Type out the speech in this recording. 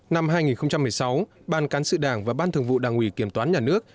năm hai nghìn một mươi sáu ban cán sự đảng và ban thường vụ đảng ủy kiểm toán nhà nước